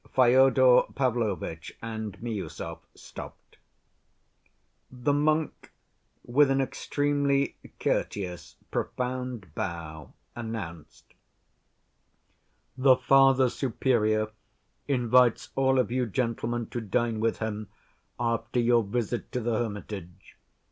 Fyodor Pavlovitch and Miüsov stopped. The monk, with an extremely courteous, profound bow, announced: "The Father Superior invites all of you gentlemen to dine with him after your visit to the hermitage.